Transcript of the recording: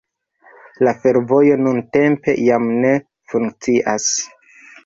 La fervojo nuntempe jam ne funkcias.